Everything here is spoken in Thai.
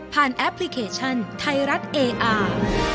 ผ่านแอปพลิเคชันไทรัตน์เอออาร์